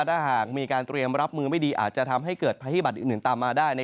ถ้าหากมีการเตรียมรับมือไม่ดีอาจจะทำให้เกิดภัยบัตรอื่นตามมาได้